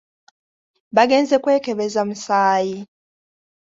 Bagenze kwekebeza musaayi.